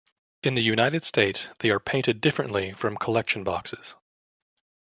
In the United States, they are painted differently from collection boxes.